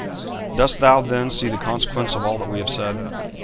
VII. 'Dost thou, then, see the consequence of all that we have said?'